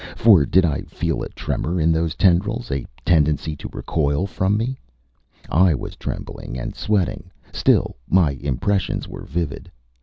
For did I feel a tremor in those tendrils, a tendency to recoil from me? I was trembling and sweating. Still, my impressions were vivid.